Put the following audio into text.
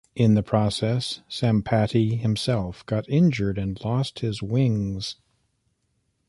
In the process, Sampati himself got injured and lost his wings.